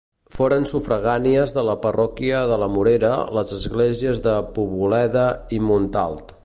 Foren sufragànies de la parròquia de la Morera les esglésies de Poboleda i Montalt.